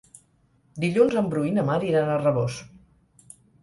Dilluns en Bru i na Mar iran a Rabós.